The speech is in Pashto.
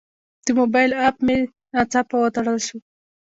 د موبایل اپ مې ناڅاپه وتړل شو.